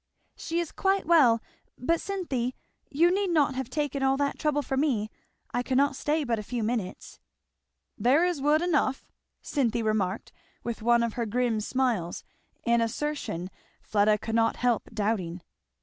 "She is quite well; but Cynthy, you need not have taken all that trouble for me. I cannot stay but a few minutes." "There is wood enough!" Cynthia remarked with one of her grim smiles; an assertion Fleda could not help doubting.